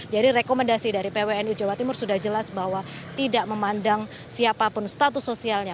jadi rekomendasi dari pwnu jawa timur sudah jelas bahwa tidak memandang siapapun status sosialnya